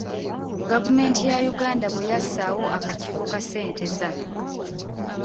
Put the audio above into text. Gavumenti ya Yuganda bwe yassaawo akakiiko ka Ssenteza